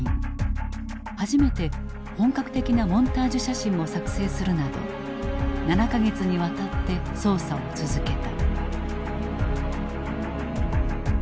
初めて本格的なモンタージュ写真も作成するなど７か月にわたって捜査を続けた。